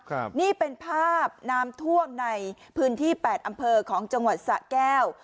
ครับนี่เป็นภาพน้ำท่วมในพื้นที่แปดอำเภอของจังหวัดสะแก้ว